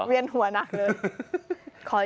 เวียนหัวหนักเลย